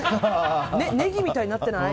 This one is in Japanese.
ネギみたいになってない？